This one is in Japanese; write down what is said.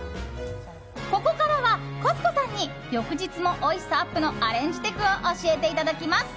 ここからはコス子さんに翌日もおいしさアップのアレンジテクを教えていただきます。